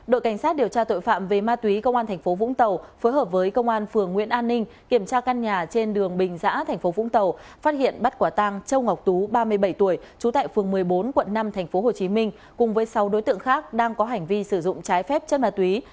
đội cảnh sát điều tra tội phạm về ma túy công an tp vũng tàu phối hợp với công an phường nguyễn an ninh kiểm tra căn nhà trên đường bình giã tp vũng tàu phát hiện bắt quả tang châu ngọc tú ba mươi bảy tuổi trú tại phường một mươi bốn quận năm tp hcm cùng với sáu đối tượng khác đang có hành vi sử dụng trái phép chân ma túy